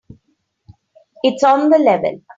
It's on the level.